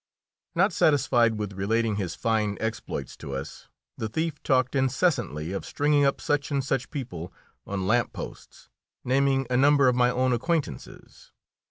Not satisfied with relating his fine exploits to us, the thief talked incessantly of stringing up such and such people on lamp posts, naming a number of my own acquaintances.